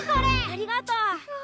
ありがとう！